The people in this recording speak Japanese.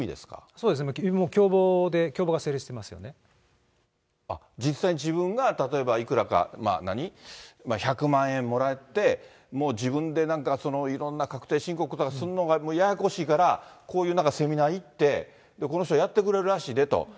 そうですね、共謀で、あっ、実際に自分が、例えばいくらか何、１００万円もらって、もう自分でなんかそのいろんな確定申告とかするのがややこしいから、こういうなんかセミナー行って、この人やってくれるらしいでと。